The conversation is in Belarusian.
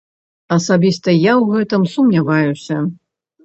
Асабіста я ў гэтым сумняваюся.